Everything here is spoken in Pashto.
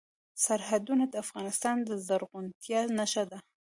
سرحدونه د افغانستان د زرغونتیا نښه ده.